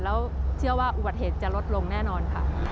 แล้วเชื่อว่าอุบัติเหตุจะลดลงแน่นอนค่ะ